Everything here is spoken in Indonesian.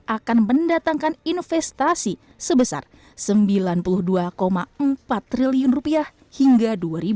akan mendatangkan investasi sebesar rp sembilan puluh dua empat triliun hingga dua ribu dua puluh